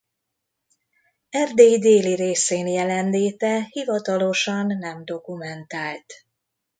Erdély déli részén jelenléte hivatalosan nem dokumentált.